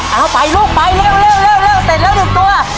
เอาไปลูกไปเร็วเสร็จแล้ว๑ตัว